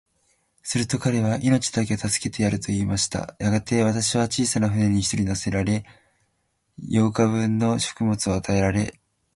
すると彼は、命だけは助けてやる、と言いました。やがて、私は小さな舟に一人乗せられ、八日分の食物を与えられ、